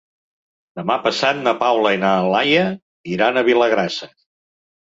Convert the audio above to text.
Demà passat na Paula i na Laia iran a Vilagrassa.